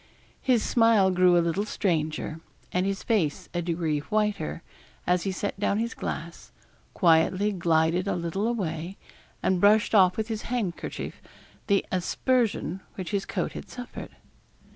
His smile grew a little stranger, and his face a degree whiter, as he set down his glass, quietly glided a little away, and brushed off with his handkerchief the aspersion which his coat had suffered.